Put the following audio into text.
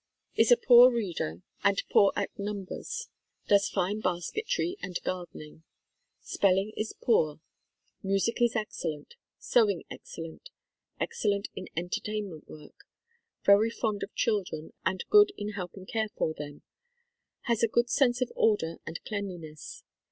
Is a poor reader and poor at 8 THE KALLIKAK FAMILY numbers. Does fine basketry and gardening. Spell ing is poor ; music is excellent ; sewing excellent ; excellent in entertainment work. . Very fond of children and good in helping care for them. Has a good sense of order and cleanliness.